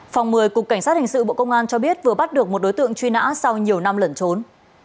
phòng một mươi cục cảnh sát hình sự bộ công an cho biết vừa bắt được một đối tượng truy nã sau nhiều năm lẩn trốn